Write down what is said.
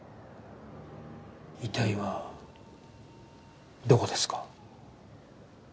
遺体はどこですか？